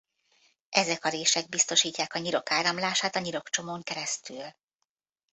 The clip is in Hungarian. Ezek a rések biztosítják a nyirok áramlását a nyirokcsomón keresztül.